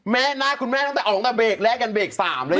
แม่หน้าคุณแม่ต้องแต่เอาลงทะเบกและกันเบกสามเลย